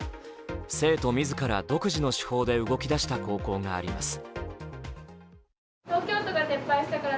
生徒自ら独自の手法で動き出した高校があります。